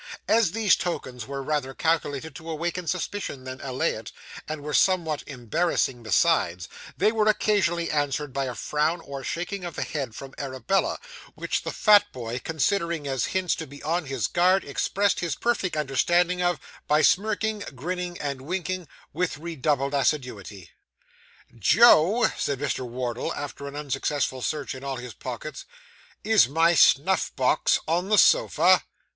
As these tokens were rather calculated to awaken suspicion than allay it, and were somewhat embarrassing besides, they were occasionally answered by a frown or shake of the head from Arabella, which the fat boy, considering as hints to be on his guard, expressed his perfect understanding of, by smirking, grinning, and winking, with redoubled assiduity. 'Joe,' said Mr. Wardle, after an unsuccessful search in all his pockets, 'is my snuff box on the sofa?